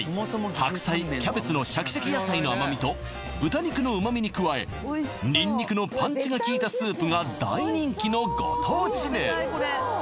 白菜キャベツのシャキシャキ野菜の甘みと豚肉の旨みに加えニンニクのパンチが効いたスープが大人気のご当地麺